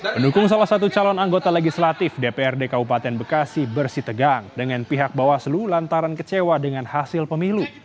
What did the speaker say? pendukung salah satu calon anggota legislatif dprd kabupaten bekasi bersih tegang dengan pihak bawaslu lantaran kecewa dengan hasil pemilu